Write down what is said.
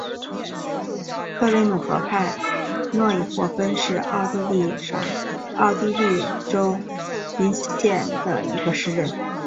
克雷姆河畔诺伊霍芬是奥地利上奥地利州林茨兰县的一个市镇。